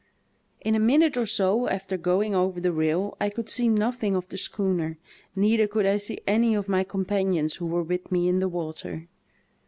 ^'In a minute or so after going over the rail I could see nothing of the schooner; neither could I see any of my companions who were with me in the water.